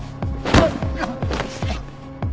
あっ。